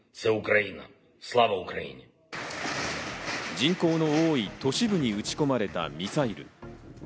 人口の多い都市部に撃ちこまれたミサイル。